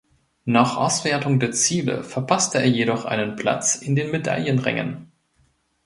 Nach Auswertung der Ziele verpasste er jedoch einen Platz in den Medaillenrängen.